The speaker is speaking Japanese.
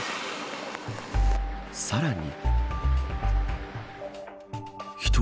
さらに。